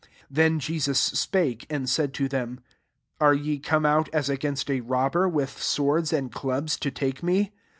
48 Then Jesus spake, and said to them, <<Are ye come out as against a robber, with swords and clubs, to take me